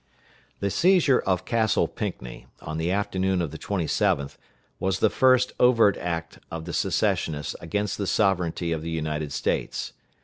The seizure of Castle Pinckney, on the afternoon of the 27th, was the first overt act of the Secessionists against the sovereignty of the United States.